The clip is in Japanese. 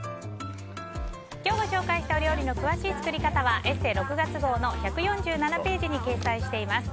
今日ご紹介した料理の詳しい作り方は「ＥＳＳＥ」６月号の１４７ページに掲載しています。